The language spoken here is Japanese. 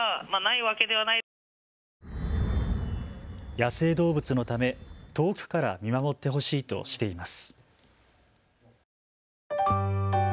野生動物のため遠くから見守ってほしいとしています。